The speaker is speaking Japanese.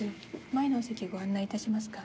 前のお席へご案内致しますか？